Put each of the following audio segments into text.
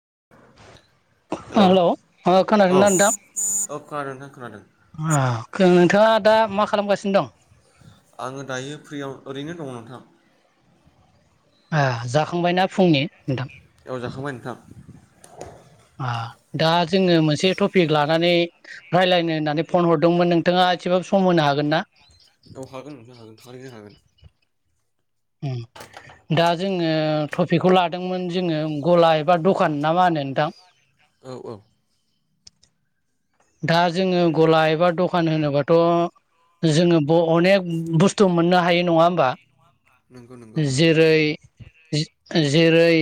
[unintelligible] Hello हेल औ खोनादों ना औ खोनादों खोनादों नोंथां नोंथाङा दा मा खालामगासिनो दं आङो दायो फ्रियाव ओरैनो दङ नोंथां आ जाखांबाय ना फुंनि नोंथां खांबाय नोंथां आ दा जोङो मोनसे टपिक लानानै रायलायनो होननानै फन हरदोंमोन नोंथाङा एसेबांबो सम होनो हागोन ना औ हागोन नोंथां हागोन थारैनो हागोन उम दा जोङो थफिखौ लादोंमोन जोङो गला एबा दखान ना मा होनो नोंथां? औ औ। दा जोङो गला एबा दखान होनोबाथ' जोङो अनेक बुस्थु मोननो हाय नङा होमबा। नंगौ नंगौ जेरै जे-जेरै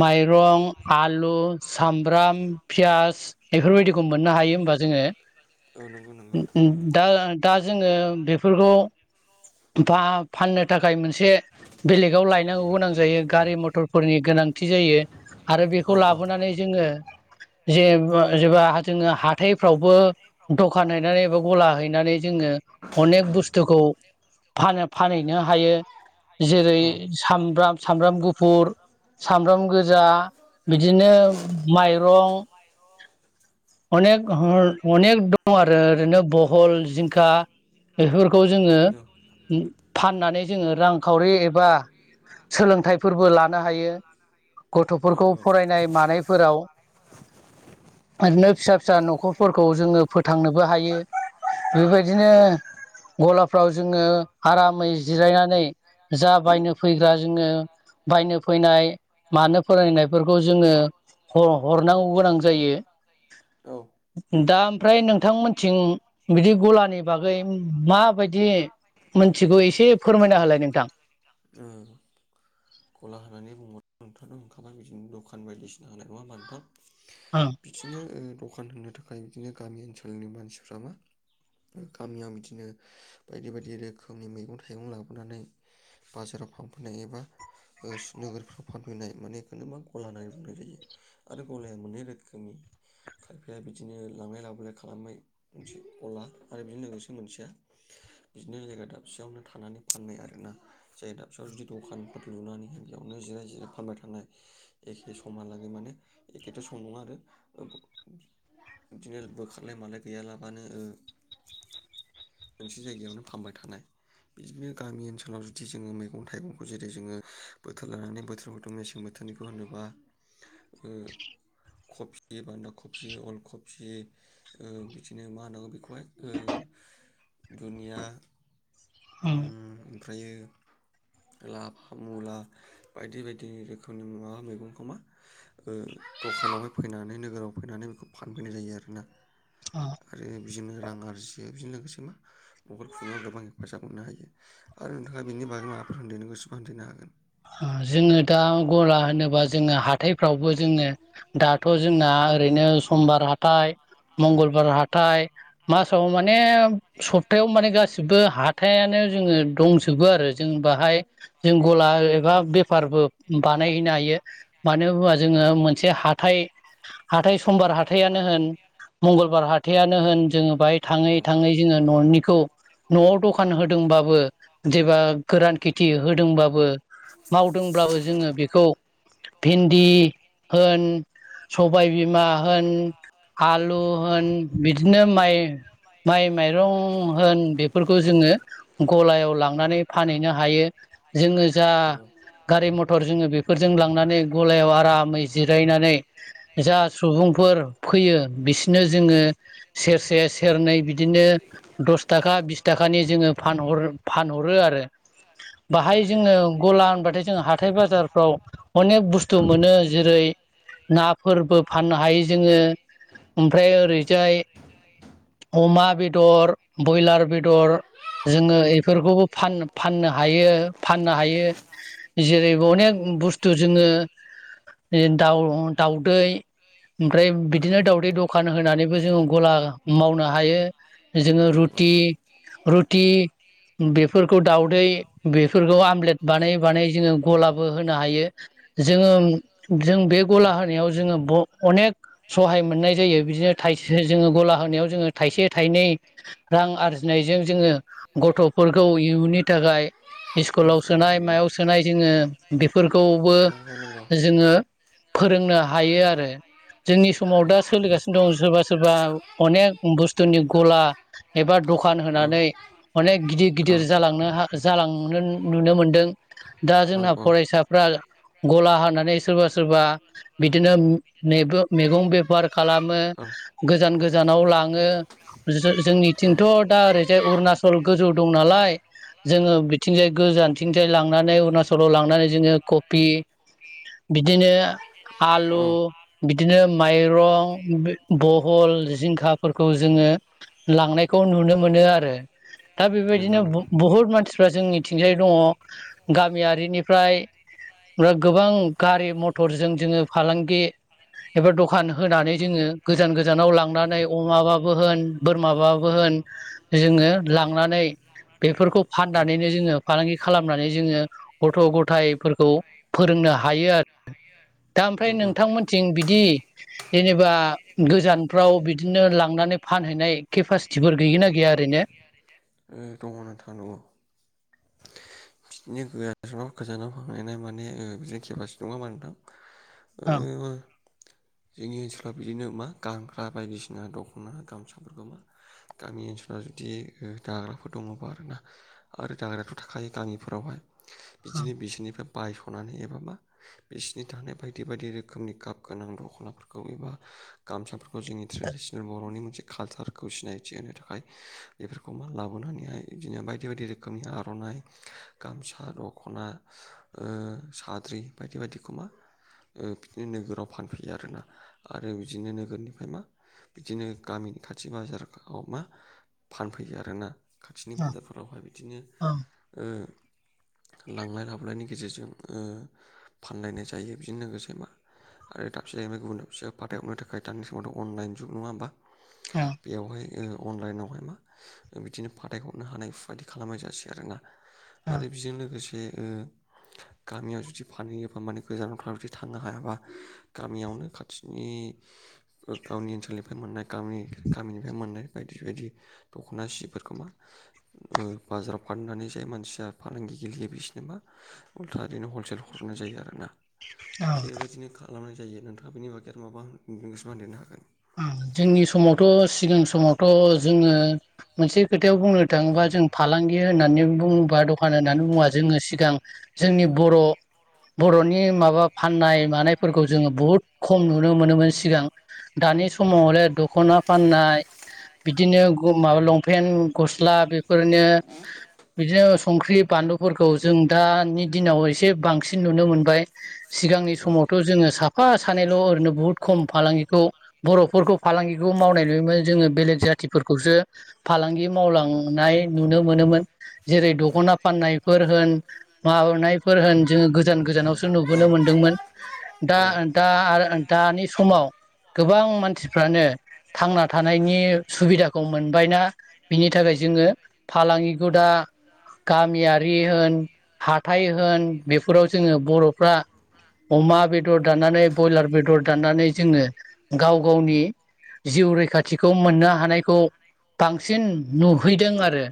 माइरं, आलु, सामब्राम, पियास बेफोरबायदिखौ मोननो हायो होबा जोङो। औ नंगौ नंगौ दा दा जोङो बेफोरखौ फाहा फाननो थाखाय मोनसे बेलेगाव लायनांगौ गोनां जायो गारि मथरफोरनि गोनांथि जायो। आरो औ बेखौ औ लाबोनानै जोङो जे बा जेबा जोङो हाथायफ्रावबो दखान हैनानै एबा गला हैनानै जोङो अनेक बुस्थुखौ फानो फानहैनो हायो। जेरै औ सामब्राम सामब्राम गुफुर। सामब्राम गोजा बिदिनो माइरं, अनेक अनेक दं आरो ओरैनो बहल, जिंखा, बेफोरखौ जोङो फान जोङो रांखावरि एबा सोलोंथाइफोरबो लानो हायो। गथ'फोरखौ फरायनाय मानायफोराव ओरैनो फिसा फिसा न'खरफोरखौ जोङो फोथांनोबो हायो। बेबायदिनो गला फ्राव जोङो आरामै जिरायनानै जा बायनो फैग्रा जोङो बायनो फैनाय मानो फोरायनायफोरखौ जोङो हर हरनांगौ गोनां जायो। जायो औ। दा ओमफ्राय नोंथांमोनथिं बिदि गलानि बागै माबायदि मोनथिगौ एसे फोरमायना होलाय नोंथां। ओ गला होनानै बुङो नोंथाङाथ' ओखाबाय बिदिनो दखान बायदिसिना होनाय नङा होनबा नोंथां? बिदिनो ओदखान होनो थाखाय बिदिनो गामि ओनसोलनि मानसिफ्रा मा गामियाव बिदिनो बायदि बायदि रोखोमनि मैगं थाइगं लाबोनानै बाजाराव फानफैनो हायो एबा ओ नोगोरफ्राव फानफैनाय मानेखौनोनो मा गला होननानै बुंनाय जायो। आरो गलाया मोनै रोखोमनि खायफाया बिदिनो लांलाय लाबोलाय खालामनाय मोनसे गला। आरो बिदिनो लोगोसे मोनसेया बिदिनो जायगा दाबसेयावनो थानानै फाननाय आरोना। जायगा दाबसेयाव जुदि दखानफोर लुनानैहाय बेयावनो जिराय जिराय फानबाय थानाय एखे समहालागै माने एखेथ' सम नङा आरो बिदिनो बोखारलाय मालाय गैयालाबानो ओ मोनसे जायगायावनो फानबाय थानाय बिदिनो गामि ओनसोलाव जु दि जोङो मैगं थाइगंखौ जेरै जोङो बोथोर लानानै बोथोर मेसें बोथोरनिखौ होनोबा ओ कपि, बान्दा कबि, अल कबि बिदिनो मा होनांगौ बेखौहाय ओ [inaudible] दुनिया ओम। फ्रायो [inaudible] लाफा मुला बायदि बायदि रोखोमनि मुबा मैगंखौ मा ओ दखानावहाय फैनानै नोगोराव फैनानै बेखौ फानफैनाय जायो आरोना। आरो बिदिनो रां आरजियो बिजों लोगोसे मा न'खर खुाव गोबां हेफाजाब मोननो हायो। आरो नोंथाङा बेनि बागै माबाफोर होनदेरनो गोसोबा होनदेरनो हागोन। जोङो दा गला होनोबा जोङो हाथायफ्रावबो जोङो दाथ' जोंना ओरैनो समबार हाथाय मंगलबार हाथाय मासाव माने सपथायाव माने गासिबो हाथायानो जोङो दंजोबो आरो जों बाहाय जों गला एबा बेफारबो बानायहैनो हायो मानो होना जोङो मोनसे हाथाय हाथाय समबार हाथायानो होन मंगलबार हाथायानो होन जोङो बाहाय थाङै थाङै जोङो न'निखौ न'आव दखान होदोंबाबो जेबा गोरान खेथि होदोंबाबो मावदोंब्लाबो जोङो बेखौ भिन्दि होन सबायबिमा होन आलु होन बिदिनो माइ माइ माइरं होन बेफोरखौ जोङो ग' लांनानै फानहैनो हायो जोङो जा औ गारि मथर जोङो बेफोरजों लांनानै गलायाव आरामै जिरायनानै जा सुबुं फोर फैयो बिसोरनो जोङो सेरसे सेरनै बिदिनो दस थाखा बिस थाखानि जोङो फानहरो आरो औ बाहाय औ जोङो प्ला होनबाथाय जोंङो हाथाय बाजारफ्राव अनेक बुस्थु मोनो जेरै नाफोरबो फाननो हायो जोङो ओमफ्राय ओरैजाय अमा बेदर ब्रयलार बेदर जोङो बेफोरखौबो फान-फाननो हायो फाननो हायो। जेरै अनेक बुस्थु जोङो दाउ दाउदै ओमफ्राय बिदिनो दावदै दखान होनानैबो जोङो गला मावनो हायो जोङो रु औ औ टि रुटि बेफोरखौ दाउदै बेफोरखौ आमलेट बानाय बानायै जोङो गलाबो होनो हायो जोङो जों बे गला होनायाव जोङो [unintelligible] अनेक सहाय मोननाय जायो बिदिनो थाय जोङो गला होनायाव जोङो थाइसे थाइनै रां आरजिनाय जों जोङो गथ'फोरखौ इयुननि थाखाय इस्कुलाव नंगौ सोनाय मायाव सोनाय जोङो बेफोरखौबो नंगौ नंगौ जोङो फोरोंनो हायो आरो। जोंनि समाव दा सोलिगासिनो दं सोरबा सोरबा औ अनेक बुस्थुनि गला औ एबा दखा दुखान होनानै अनेक गिदिर गिदिर जालांनो जालांनो नुनो मोनदों दा औ जोंना फरायसाफ्रा गला हानानै सोरबा सोरबा बिदिनो मेग मैगं बेफार खालामो गोजान गोजानाव लाङो [unintelligible] जोंनिथिंथ' दा ओरैजाय अरुणाचल गोजौ दं नालाय जोङो बिथिंजाय गोजानथिंफ्राय लांनानै अरुणाचलाव लांनानै जोङो कबि बिदिनो औ आलु बिदिनो माइरं बहल जिंखाफोरखौ जोङो लांनायखौ नुनो मोनो आरो दा नंगौ बेबायदिनो नंगौ बु- बुहुत मानसिफ्रा जोंनि थिंजाय दङ गामियारिनिफ्राय गोबां गारि मथरजों जोङो फालांगि एबा दखान होनानै जोङो गोजान गोजानाव लांनानै अमाबाबो होन बोरमाबाबो होन जों ङो लांनानै बेफोरखौ फाननानैनो जोङो फालांगि खालामनानै जोङो गथ' गथायाइफोरखौ फोरोंनो हायो आरो। दा आरो औ ओमफ्राय नोंथांमोनथिं बिदि जेनेबा गोजानफ्राव बिदिनो लांनानै फानहैनाय केपासिटिफोर गैयोना गैया? ओरैनो ओ दङ नोंथां दङ। बिदिनो [unintelligible] गोजानाव फांहैनाय माने ओ बिदिनो केपासिटि नङा होनबा ओं नोथां [unintelligible] बिदिनो मा गानग्रा बायदिसिना दख'ना गामसाफोरखौ मा गामि ओनसोलाव जुदि जाग्राफोर दङबा आरोना आरो जाग्रायाथ' थाखायो गामि फोरावहाय बिदिनो बिसोरनिफ्राय बायस'नानै एबा मा बिसिनि थानाय बायदि बायदि रोखोमनि गाब गोनां दख'नाफोरखौ एबा गामसाफोरखौ जोंनि ट्रेडिसनेल लाबोनानैहाय बिदिनो बायदि बायदि रोखोमनि आर'नाइ गामसा दख'ना ओ- साद्रि बायदि बायदि खोमा बिदिनो नोगोराव फानफैयो आरोना आरो बिदिनो नोगोरनिफ्राय मा बिदिनो गामि नि खाथि बाजाराव मा फानफैयो आरोना खाथिनि ओं बाजारफोरावहाय बिदिनो ओं ओ- लांलाय लाबोलायनि गेजेरजों ओ- फानलायनाय जायो बिजों लोगोसे मा आरो दाबसे जाहैबाय गुबुनाब फिसा फाथायहरनो थाखायानि समावथ' अनइन जुग नङा होमबा ओं बेयावहाय अनलाइनावहाय मा बिदिनो फाथायहरनो हानाय बेफोरबायदि खालामनाय जासै आरोना ओं आरो बेजों लोगोसे ओ- गामियाव जुदि फानहयो एबा माने गोजानावफ्रा जुदि थांनो हायाबा गामियावनो खाथिनि गावनि ओनसोलनिफ्राय मोननाय गामि- गामिनिफ्राय मोननाय बायदि बायदि दख'ना सिफोर खोमा ओ- बाजाराव फाननानै जाय मानसिया फालांगि गेलेयो मा उल्था ओरैनो हलसेल हरनाय जायो आरोना ओं थिगबायदिनो खालामनाय जायो नोंथाङा बेनि बागै माबा नसो बानदेरनो हागोन [unintelligible] जोंनि समावथ' सिगां समावथ' जोङो मोनसे खोथायाव बुंनो थाङोबा जों फालांगि गि- होननानै बुङोबा दखान होननानै बुङोबा जोङो सिगां जोंनि बर' बर'नि माबा फाननाय मानायफोरखौ जोङो बुहुद खम नुनो मोनोमोन सिगां दानि समाव हलाय दखना फाननाय बिदिनो माबा लंपेन्ट गस्ला बे- ओरैनो बिदिनो संख्रि बानलुफोरखौ जों दानि दिनाव एसे बांसिन नुनो मोनबाय सिगांनि औ समावथ' जोङो साफा सानैल' ओरैनो बहुद खम फालांगिखौ बर'फोरखौ फालांगिखौ मावनाय नुयोमोन जोङो बेलेग जाथिफोरखौसो फालांगि मावलांनाय नुनो मोनोन जेरै दखना फाननायफोर होन मानाय जोङो गोजान गोजानावसो नुबोनो मोनदोंमोन औ दा- दा- आरो दानि समाव गोबां मानसिफ्रानो थांना थानायनि सुबिदाखौ मोनबायना बिनि थाखाय जोङो फालांगिखौदा गामियारि होन हाथाय होन बेफोराव जोङो बर'फ्रा अमा बेदर दाननानै ब्रयलार बेदर दाननानै जोङो गाव गावनि जिउ रैखाथिखौ मोननो हानायखौ बांसिन नुहैदों आरो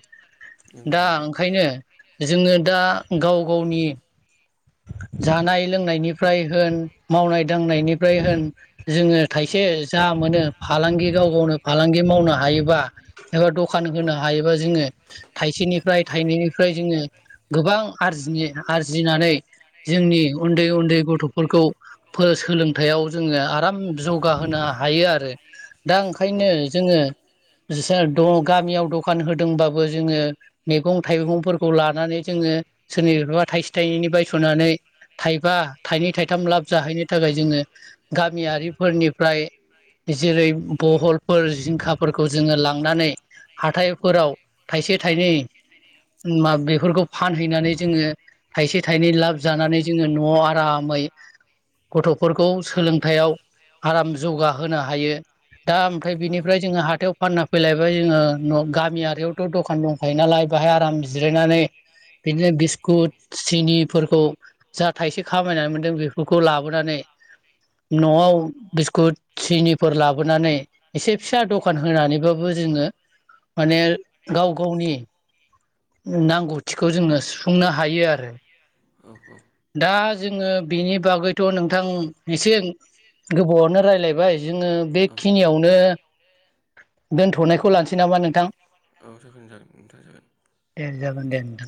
नंगौ दा नंगौ ओंखायनो जोङो दा- गाव गावनि जानाय लोंनायनि होन मावनाय दांनायनिफ्राय होन जोङो औ थाइसे जा मोनो फालांगि गाव गावनो फालांगि मावनो हायोबा एबा दखान होनो हायोबा जोङो थाइसेनिफ्राय थ बेनिफ्राय जोङो गोबां आरजि आरजिनानै जोंनि उन्दै उन्दै गथ'फोर सोलोंथायाइयाव जोङो आराम जौगाहोनो हायो आरो दा ओंखायनो जोङो गामियाव दखान होदोंबाबो जोङो मैगं थाइगंफोरखौ लानानै जोङो सोरनिफ्राइबा थायसे थायनैनि बायसनानै थायबा थयनै थायथाम लाब लाब जाहैनो थाखाय जोङो गामियारिफोरनिफ्राय जेरै बहलफोर जिंखाफोरखौ जोङो लांनानै हाथाइफोराव थाइसे थाइनै मा बेफोरखौ फानहैनानै जोङो थायसे लाब जानानै जोङो न'आव आरामै गथ'फोरखौ सोलोंथायाइआव आराम जौगाहोनो हायो। दा ओमफ्राय बिनिफ्राय जोङो हाथायाव फानना फैलायबाय जोङो न गामियारिआवथ' द'खान दंखायो नालाय बाहाय आराम जिरायनानै बिदिनो बिस्कुट निफोरखौ जा थाइसे खामायनानै मोनदों बेफोरखौ लाबोनानै न'आव बिस्कुट सिनिफोर लाबोनानै एसे फिसा दखान होनानैबाबो जोङो माने गाव गावनि नांगौथिखौ जोङो सुफुंनो हायो आरो। दा जोङो बिनि बागैथ' नोंथां एसे गोबावआनो रायलायबाय जोङो बेखिनियावनो दोनथ'नायखौ लानोसै नामा नों औ जागोन जागोन नोंथां जागोन। दे जागोन दे नोंथां।